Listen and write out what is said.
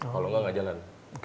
kalau nggak nggak jalan